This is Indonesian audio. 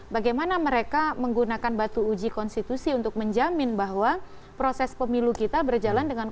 bagaimana mereka menggunakan batu uji konstitusi untuk menjamin bahwa proses pemilu kita berjalan dengan baik